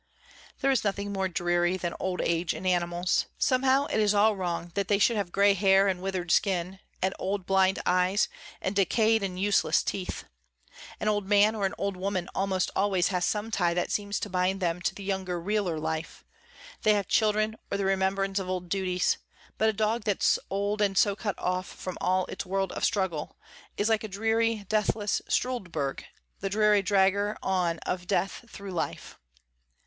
There is nothing more dreary than old age in animals. Somehow it is all wrong that they should have grey hair and withered skin, and blind old eyes, and decayed and useless teeth. An old man or an old woman almost always has some tie that seems to bind them to the younger, realer life. They have children or the remembrance of old duties, but a dog that's old and so cut off from all its world of struggle, is like a dreary, deathless Struldbrug, the dreary dragger on of death through life.